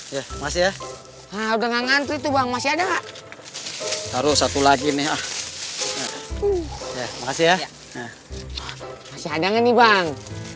ya mas ya udah ngantri tuh masih ada taruh satu lagi nih ya masih ada nih bang